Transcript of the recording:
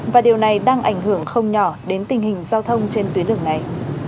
và điều này đang ảnh hưởng không nhỏ đến tình hình giao thông trên tuyến đường này